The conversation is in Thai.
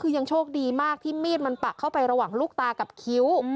คือยังโชคดีมากที่มีดมันปักเข้าไประหว่างลูกตากับคิ้ว